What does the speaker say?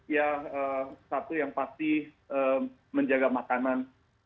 ya satu yang pasti menjaga makanan